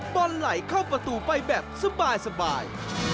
บอลไหลเข้าประตูไปแบบสบาย